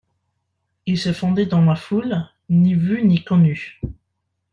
Il se fondait dans la foule, ni vu ni connu.